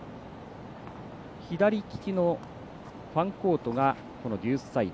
左利きのファンコートがデュースサイド。